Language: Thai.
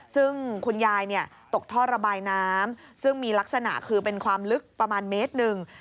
ซึ่งคุณยายตกท่อระบายน้ำซึ่งมีลักษณะคือเป็นความลึกประมาณเมตรหนึ่ง